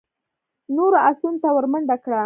نورو آسونو ته ور منډه کړه.